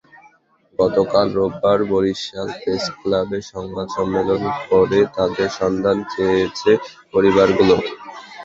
গতকাল রোববার বরিশাল প্রেসক্লাবে সংবাদ সম্মেলন করে তাঁদের সন্ধান চেয়েছে পরিবারগুলো।